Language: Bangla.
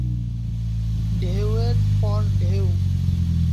ঢেউ এর পর ঢেউ।